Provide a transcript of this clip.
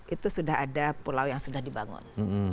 itu sudah ada pulau yang sudah dibangun